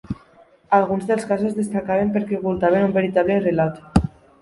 Alguns dels casos destacaven perquè ocultaven un veritable relat.